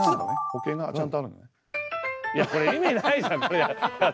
いやこれ意味ないじゃん。